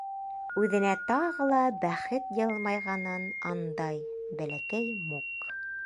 Үҙенә тағы ла бәхет йылмайғанын андай Бәләкәй Мук.